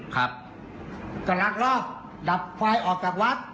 กระลักษณ์รอบดับไฟออกจากวัด